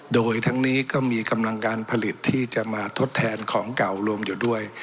โดยทั้งนี้ก็มีกำลังการผลิตที่จะมาทดแทนของเก่ารวมอยู่ด้วย